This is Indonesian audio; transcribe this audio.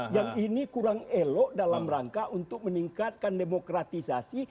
yang ini kurang elok dalam rangka untuk meningkatkan demokratisasi